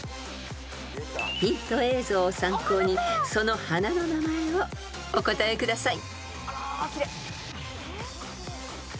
［ヒント映像を参考にその花の名前をお答えください］